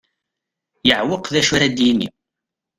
Yeɛweq d acu ara d-yini.